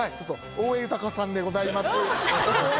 大江裕さんでございます。